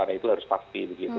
nah itu harus pasti begitu